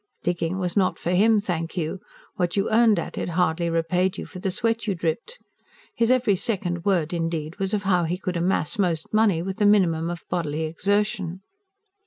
Digging was not for him, thank you; what you earned at it hardly repaid you for the sweat you dripped. His every second word, indeed, was of how he could amass most money with the minimum of bodily exertion.